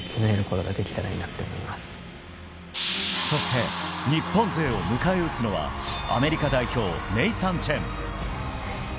そして日本勢を迎え撃つのはアメリカ代表、ネイサン・チェン。